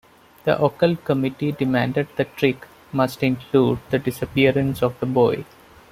The Occult Committee demanded the trick must include the disappearance of the boy.